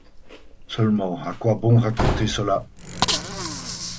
Seulement, à quoi bon raconter cela?